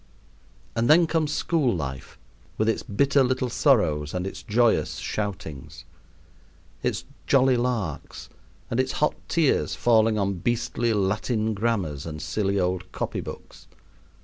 And then comes school life, with its bitter little sorrows and its joyous shoutings, its jolly larks, and its hot tears falling on beastly Latin grammars and silly old copy books.